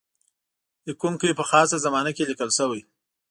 لیکونکی په خاصه زمانه کې لیکل شوی.